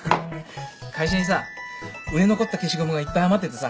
会社にさ売れ残った消しゴムがいっぱい余っててさ。